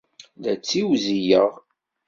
La ttiwzileɣ!